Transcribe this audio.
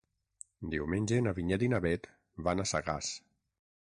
Diumenge na Vinyet i na Bet van a Sagàs.